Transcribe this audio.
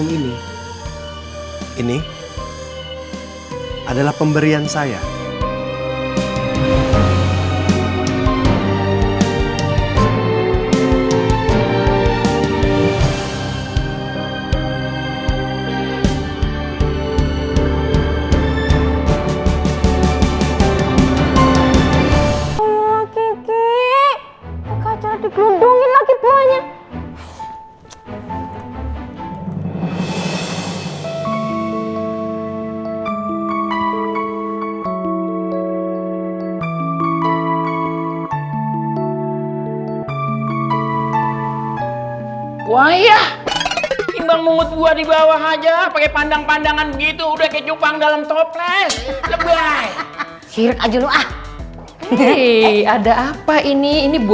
kan itu sama juga melukai hatiku